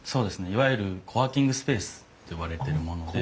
いわゆるコワーキングスペースといわれてるもので。